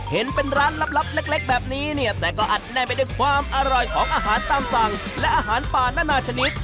เห็นเป็นร้านลับเล็กแบบนี้เนี่ยแต่ก็อัดแน่นไปด้วยความอร่อยของอาหารตามสั่งและอาหารป่านานาชนิด